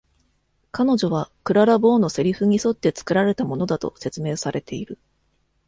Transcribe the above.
彼女はクララ・ボウのセリフに沿って作られたものだと説明されている。